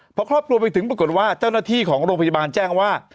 พอครอบครัวไปถึงปรากฏว่าเจ้าหน้าที่ของโรงพยาบาลแจ้งว่า